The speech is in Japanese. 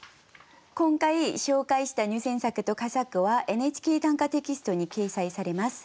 今回紹介した入選作と佳作は「ＮＨＫ短歌」テキストに掲載されます。